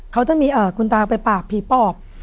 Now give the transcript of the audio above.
เขาจะมีคุณตาไปปากผีปอบ